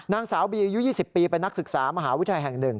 นางสาวบีอายุ๒๐ปีเป็นนักศึกษามหาวิทยาลัยแห่ง๑